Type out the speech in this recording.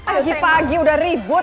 pagi pagi udah ribut